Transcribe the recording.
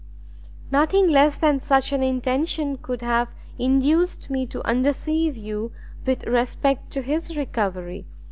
"Nothing less than such an intention could have induced me to undeceive you with respect to his recovery.